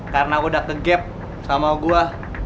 karena udah kegep sama gue